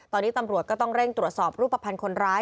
ตอนนี้ตำรวจก็ต้องเร่งตรวจสอบรูปภัณฑ์คนร้าย